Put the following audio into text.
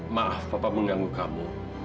maaf papa mengganggu kamu